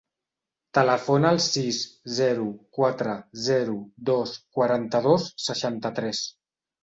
Telefona al sis, zero, quatre, zero, dos, quaranta-dos, seixanta-tres.